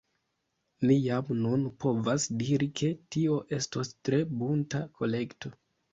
Ni jam nun povas diri ke tio estos tre bunta kolekto.